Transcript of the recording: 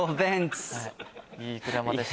いい車でした。